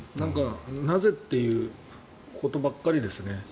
なぜっていうことばかりですね。